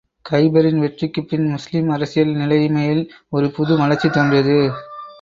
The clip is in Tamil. கைபரின் வெற்றிக்குப் பின், முஸ்லிம் அரசியல் நிலைமையில் ஒரு புது மலர்ச்சி தோன்றியது.